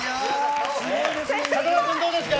風間君、どうですか。